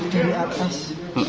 dari atas ke bawah